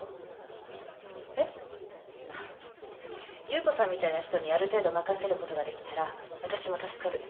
侑子さんみたいな人にある程度任せることができたらわたしも助かる。